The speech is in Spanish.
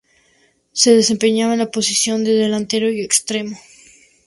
Se desempeñaba en la posición de delantero y extremo.